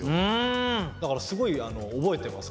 だからすごい覚えてます